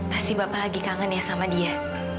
pasti bapak lagi kangen ya sama dia